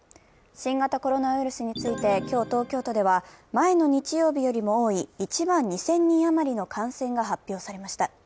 新型コロナウイルスについて今日、東京都では前の日曜日よりも多い１万２０００人余りの感染が発表されました。